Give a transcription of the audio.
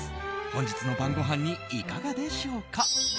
本日の晩ごはんにいかがでしょうか？